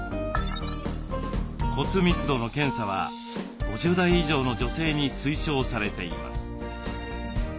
骨密度の検査は５０代以上の女性に推奨されています。